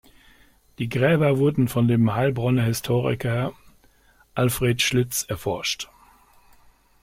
Die Gräber wurden von dem Heilbronner Historiker Alfred Schliz erforscht.